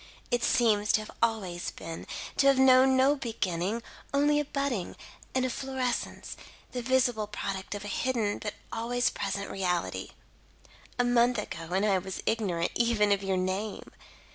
"It seems to have always been; to have known no beginning, only a budding, an efflorescence, the visible product of a hidden but always present reality. A month ago and I was ignorant, even, of your name.